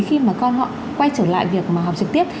khi mà con họ quay trở lại việc mà học trực tiếp